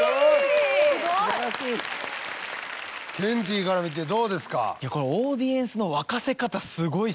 ・すごい！・ケンティーから見てどうですか？